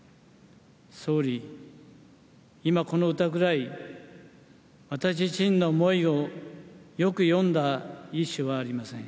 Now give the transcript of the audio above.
総理、今この歌ぐらい私自身の思いをよく詠んだ一首はありません。